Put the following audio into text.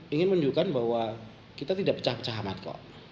ingin menunjukkan bahwa kita tidak pecah pecah amat kok